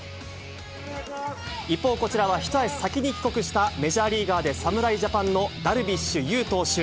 一方、こちらは一足先に帰国した、メジャーリーガーで侍ジャパンのダルビッシュ有投手。